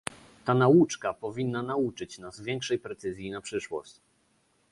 Ta nauczka powinna nauczyć nas większej precyzji na przyszłość